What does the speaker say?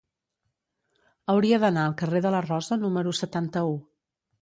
Hauria d'anar al carrer de la Rosa número setanta-u.